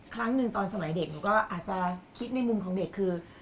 ครั้งหนึ่งตอนสมัยเด็กหนูก็อาจจะคิดในมุมของเด็กคือ